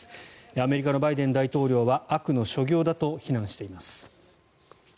アメリカのバイデン大統領は悪の所業だと非難しています。